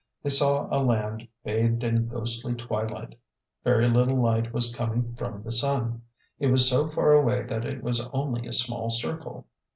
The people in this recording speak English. They saw a land bathed in ghostly twilight. Very little light was coming from the sun. It was so far away that it was only a small circle.